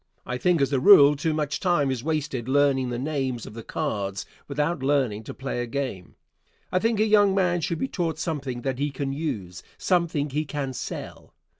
I think, as a rule, too much time is wasted learning the names of the cards without learning to play a game. I think a young man should be taught something that he can use something he can sell.